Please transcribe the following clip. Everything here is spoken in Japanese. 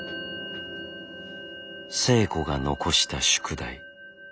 星子が残した宿題。